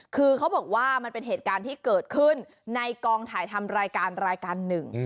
คือเขาบอกว่ามันเป็นเหตุการณ์ที่เกิดขึ้นในกองถ่ายทำรายการรายการหนึ่ง